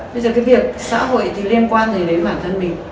bây giờ cái việc xã hội thì liên quan gì đến bản thân mình